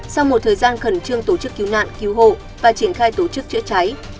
sau một thời gian khẩn trương tổ chức cứu nạn cứu hộ và triển khai tổ chức chữa cháy